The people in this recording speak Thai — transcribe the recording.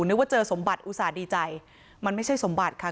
นึกว่าเจอสมบัติอุตส่าห์ดีใจมันไม่ใช่สมบัติค่ะ